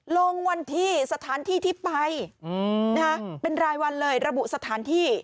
ลงวันที่สถานที่ที่ไปเป็นรายวันเลยระบุสถานที่